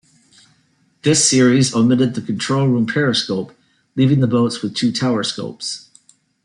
This series omitted the control room periscope leaving the boats with two tower scopes.